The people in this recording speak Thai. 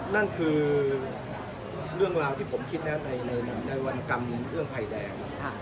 นั่นคือเรื่องราวที่ผมคิดนะในวันกรรมเรื่องภัยแดง